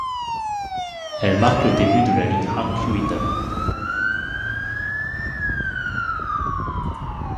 Elle marque le début de la ligne Hankyu Itami.